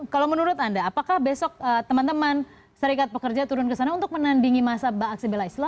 kalau menurut anda apakah besok teman teman serikat pekerja turun ke sana untuk menandingi masa bak aksi bela islam